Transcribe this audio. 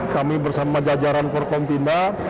kami bersama jajaran korkom pindah